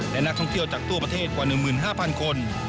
และนักท่องเที่ยวจากตัวประเทศกว่าหนึ่งหมื่นห้าพันคน